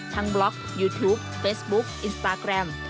ทั้งบล็อกยูทูปเฟสบุ๊กอินสตาร์แกรม